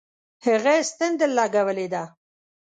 هغه ستن درلگولې ده.